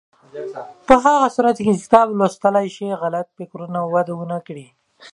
په هغه صورت کې چې کتاب ولوستل شي، غلط فکرونه به وده ونه کړي.